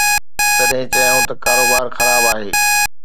تڏهن چيائون ته ڪاروبار خراب آهي.